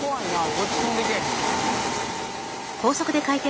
こっち飛んでけえへん？